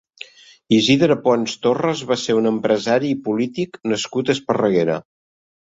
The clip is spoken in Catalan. Isidre Pons Torras va ser un empresari i polític nascut a Esparreguera.